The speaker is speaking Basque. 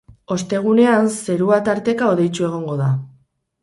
Ostegunean, zerua tarteka hodeitsu egongo da.